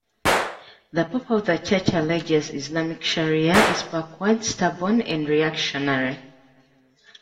The Pope of the Church alleges Islamic Sharia is backwards, stubborn, and reactionary.